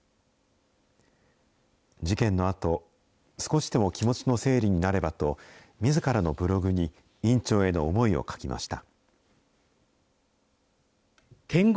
事件のあと、少しでも気持ちの整理になればと、みずからのブログに院長への思いを書きました。